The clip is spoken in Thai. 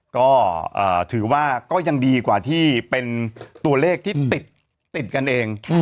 ก็ถือว่าก็ยังดีกว่าที่เป็นตัวเลขที่ติดกันเอง